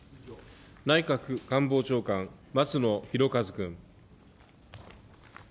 内閣官房長官、松野博一君。